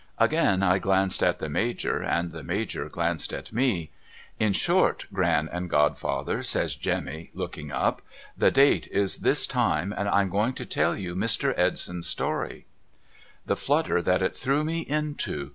Again I glanced at the Major, and the Major glanced at me. ' In short, (iran and godfather,' says Jemmy, looking up, ' the date is this time, and I'm going to tell you Mr. Edson's story.' The flutter that it threw me into.